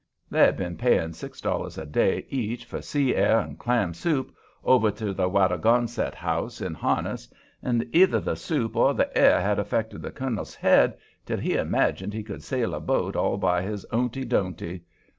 They'd been paying six dollars a day each for sea air and clam soup over to the Wattagonsett House, in Harniss, and either the soup or the air had affected the colonel's head till he imagined he could sail a boat all by his ownty donty.